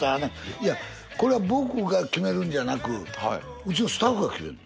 いやこれは僕が決めるんじゃなくうちのスタッフが決めるの。